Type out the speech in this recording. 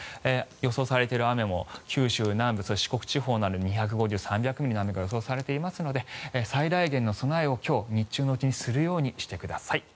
予想されている雨も九州南部そして四国地方などは２５０ミリから３００ミリの雨が予想されていますので最大限の備えを今日、日中のうちにするようにしてください。